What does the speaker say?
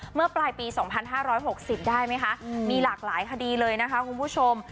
เมื่อปลายปีสองพันห้าร้อยหกสิบได้ไหมคะมีหลากหลายคดีเลยนะคะคุณผู้ชม